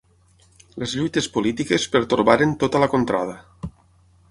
Les lluites polítiques pertorbaren tota la contrada.